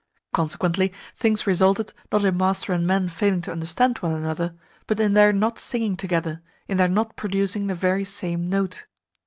Consequently things resulted, not in master and men failing to understand one another, but in their not singing together, in their not producing the very same note.